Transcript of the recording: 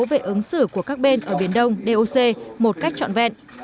về ứng xử của các bên ở biển đông doc một cách trọn vẹn